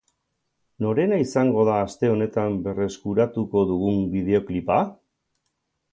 Norena izango da aste honetan berreskuratuko dugun bideoklipa?